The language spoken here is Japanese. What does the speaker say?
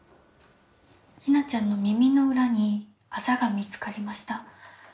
ひなちゃんの耳の裏にあざが見つかりました。